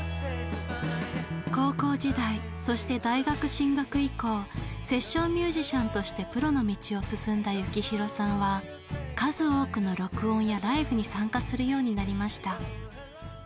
高校時代そして大学進学以降セッションミュージシャンとしてプロの道を進んだ幸宏さんは数多くの録音やライブに参加するようになりました。